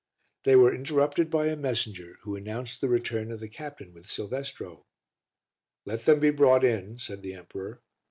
They were interrupted by a messenger who announced the return of the captain with Silvestro. "Let them be brought in," said the emperor.